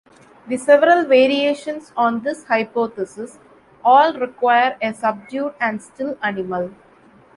The several variations on this hypothesis all require a subdued and still animal.